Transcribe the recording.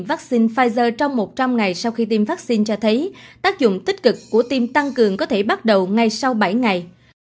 tiêm vắc xin pfizer trong một trăm linh ngày sau khi tiêm vắc xin cho thấy tác dụng tích cực của tiêm tăng cường có thể bắt đầu ngay sau bảy ngày